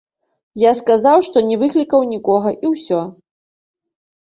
Я сказаў, што не выклікаў нікога і ўсё.